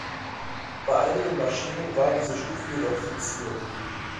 Bei einigen Maschinen war diese Stufe jedoch fixiert.